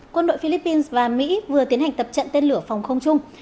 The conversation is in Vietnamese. quân đội philippines và mỹ vừa tiến hành tập trận tên lửa phòng không chung